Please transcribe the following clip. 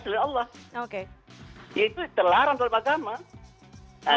itu telah terlarang dari agama